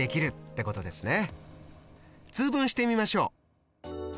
通分してみましょう。